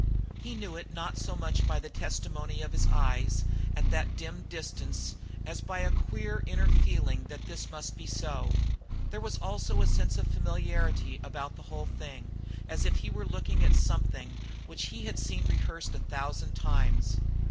He knew it not so much by the testimony of his eyes at that dim distance as by a queer, inner feeling that this must be so. There was also a sense of familiarity about the whole thing, as if he were looking on something which he had seen rehearsed a thousand times.